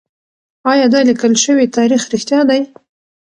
ايا دا ليکل شوی تاريخ رښتيا دی؟